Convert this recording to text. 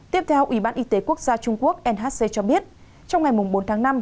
tiếp theo ủy ban y tế quốc gia trung quốc nhc cho biết trong ngày bốn tháng năm